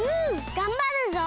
がんばるぞ！